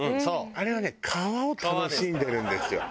あれは皮を楽しんでるんですよ。